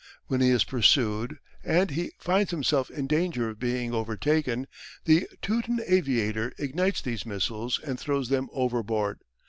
When he is pursued and he finds himself in danger of being overtaken, the Teuton aviator ignites these missiles and throws them overboard.